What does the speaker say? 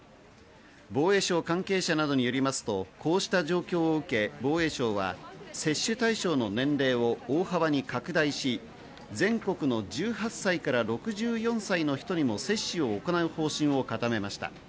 防衛省関係者などによりますと、こうした状況を受け、防衛省は接種対象の年齢を大幅に拡大し、全国の１８歳から６４歳の人にも接種を行う方針を固めました。